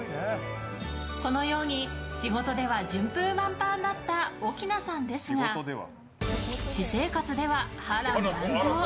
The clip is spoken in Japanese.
このように仕事では順風満帆だった奥菜さんですが私生活では波瀾万丈。